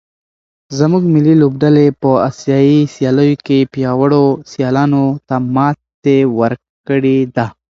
زموږ ملي لوبډلې په اسیايي سیالیو کې پیاوړو سیالانو ته ماتې ورکړې ده.